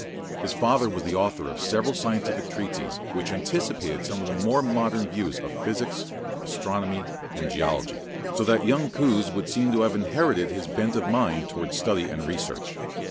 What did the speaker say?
His father was the author of several scientific treatises which anticipated some of the more modern views of physics, astronomy, and geology; so that young Coues would seem to have inherited his bent of mind towards study and research.